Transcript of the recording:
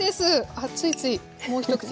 あっついついもう一口。